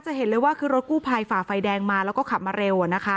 เห็นเลยว่าคือรถกู้ภัยฝ่าไฟแดงมาแล้วก็ขับมาเร็ว